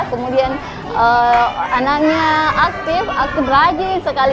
kemudian anaknya aktif aku beraji sekali